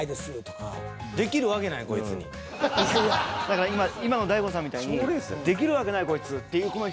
だから今今の大悟さんみたいに「できるわけないこいつ」っていうこの。